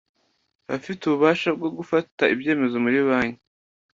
abafite ububasha bwo gufata ibyemezo muri banki